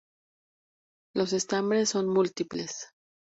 Los estambres son múltiples.